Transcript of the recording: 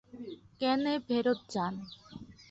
কেন-এ ফেরত যান।